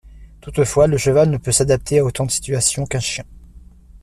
Toutefois, le cheval ne peut s'adapter à autant de situations qu'un chien.